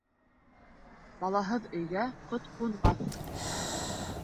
Балаһыҙ өйгә ҡот ҡунмаҫ.